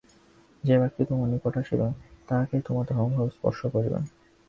যে ব্যক্তি তোমার নিকট আসিবে, তাহাকেই তোমার ধর্মভাব স্পর্শ করিবে।